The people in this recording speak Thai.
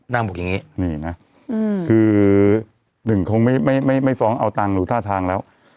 บอกอย่างนี้นี่นะคือหนึ่งคงไม่ฟ้องเอาตังค์ดูท่าทางแล้ว